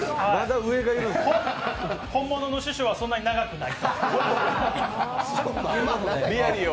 本物の師匠はそんなに長くない。